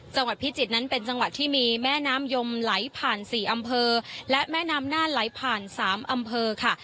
จังหวัดพิจิตรนั้นเป็นจังหวัดที่มีแม่น้ำยมไหลผ่าน๔อำเภอและแม่น้ำน่านไหลผ่าน๓อำเภอค่ะ